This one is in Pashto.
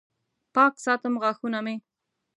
پاک ساتم غاښونه مې